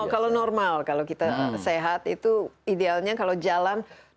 kalau normal kalau kita sehat itu idealnya kalau jalan